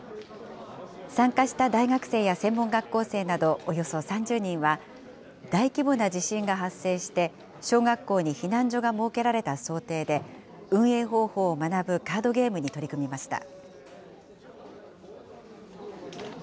参加した大学生や専門学校生などおよそ３０人は、大規模な地震が発生して、小学校に避難所が設けられた想定で、運営方法を学ぶカードゲームに取り組みました。